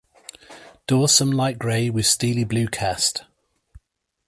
Dorsum light grey with steely blue cast.